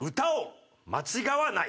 間違わない？